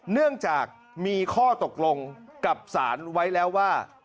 เนื่องจากมีข้อตกลงกับสารไว้แล้วว่า